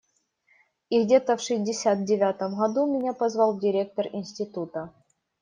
И где-то в шестьдесят девятом году меня позвал директор института.